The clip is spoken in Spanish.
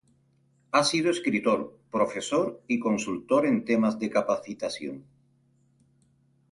Ha sido editor, profesor y consultor en temas de capacitación.